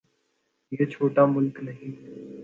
یہ چھوٹا ملک نہیں۔